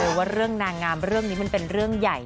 ว่าเรื่องนางงามเรื่องนี้มันเป็นเรื่องใหญ่